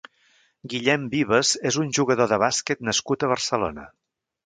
Guillem Vives és un jugador de bàsquet nascut a Barcelona.